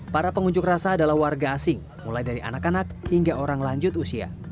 para pengunjuk rasa adalah warga asing mulai dari anak anak hingga orang lanjut usia